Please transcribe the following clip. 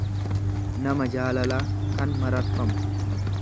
nama jaalalaa, kan mararfamu.